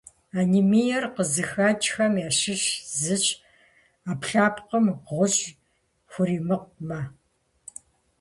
Анемиер къызыхэкӏхэм ящыщ зыщ ӏэпкълъэпкъым гъущӏ хуримыкъумэ.